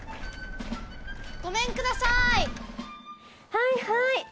はいはい。